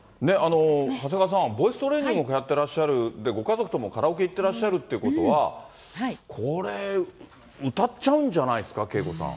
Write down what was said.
長谷川さん、ボイストレーニングをやってらっしゃると、ご家族ともカラオケ行ってらっしゃるということは、これ、歌っちゃうんじゃないですか、ＫＥＩＫＯさん。